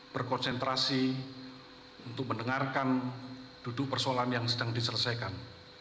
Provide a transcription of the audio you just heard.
berkonsentrasi untuk mendengarkan duduk persoalan yang sedang diselesaikan